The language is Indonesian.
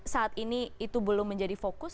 saat ini itu belum menjadi fokus